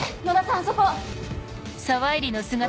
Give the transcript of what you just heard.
あそこ！